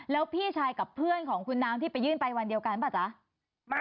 แล้วพี่ชายกับเพื่อนของคุณน้ำที่ไปยื่นไปวันเดียวกันป่ะจ๊ะ